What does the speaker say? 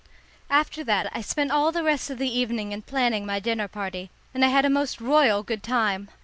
After that I spent all the rest of the evening in planning my dinner party, and I had a most royal good time.